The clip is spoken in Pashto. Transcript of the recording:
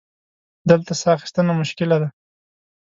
دلته سا اخیستنه مشکله ده.